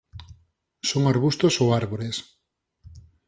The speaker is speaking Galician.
Son arbustos ou árbores.